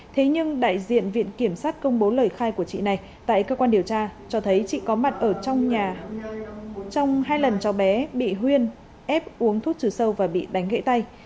thế nhưng đại diện viện kiểm sát công bố lời khai của chị này tại cơ quan điều tra cho thấy chị có mặt ở trong nhà trong hai lần cháu bé bị huyên ép uống thuốc trừ sâu và bị đánh gãy tay